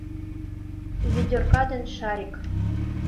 ВЕДЕРКА ДЕН ШАРИК